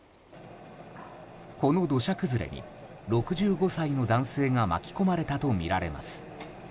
この土砂崩れに６５歳の男性が巻き込まれたとみられます。